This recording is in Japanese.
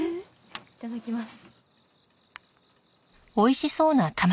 いただきます。